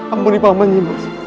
ampuni paman mas